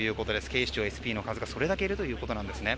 警視庁ＳＰの数がそれだけいるということです。